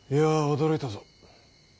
驚いたぞ。